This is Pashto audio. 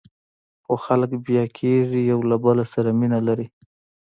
خو خلک بیا کېږي، یو له بل سره مینه لري.